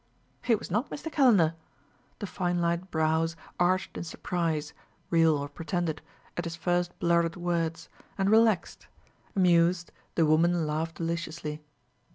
"It was not Mr. Calendar." The fine lined brows arched in surprise, real or pretended, at his first blurted words, and relaxed; amused, the woman laughed deliciously.